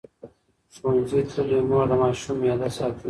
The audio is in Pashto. ښوونځې تللې مور د ماشوم معده ساتي.